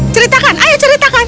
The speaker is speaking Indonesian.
ceritakan ayo ceritakan